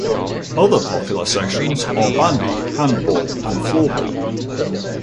Other popular sections are bandy, handball and floorball.